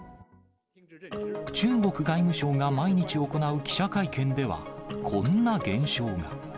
中国外務省が毎日行う記者会見では、こんな現象が。